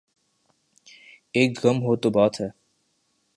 ایک غم ہو تو بات ہے۔